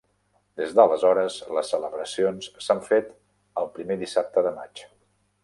Des d'aleshores, les celebracions s'han fet el primer dissabte de maig.